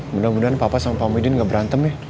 mudah mudahan papa sama pamudin gak berantem ya